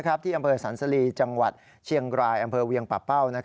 ที่อำเภอสันสลีจังหวัดเชียงรายอำเภอเวียงปะเป้า